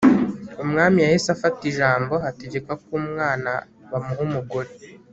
umwami yahise afata ijambo ategeka ko umwana bamuha umugore